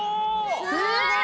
すごい！